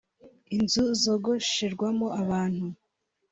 inzu zogosherwamo abantu